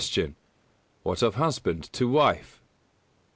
_What of husband to wife?